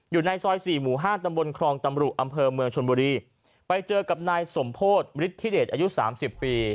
อยู่ในซอยสี่หมู่ห้าตำบลครองตำรุอำเภอเมืองชนบุรีไปเจอกับนายสมโพธิ์ฤทธิเดชอายุสามสิบปี